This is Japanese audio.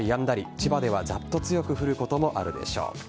千葉ではざっと強く降ることもあるでしょう。